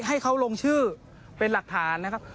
ให้เขาลงชื่อเป็นหลักฐานนะครับ